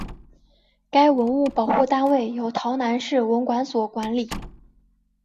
该文物保护单位由洮南市文管所管理。